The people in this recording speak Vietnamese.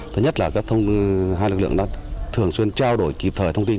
thứ nhất là các lực lượng đã thường xuyên trao đổi kịp thời thông tin